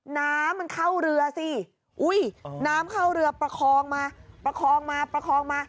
น้ำมันเข้าเรือสิอุ้ยน้ำเข้าเรือประคองมาประคองมาประคองมา